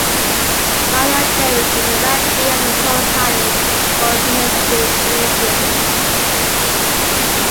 Miriam Jerris is the rabbi of the Society for Humanistic Judaism.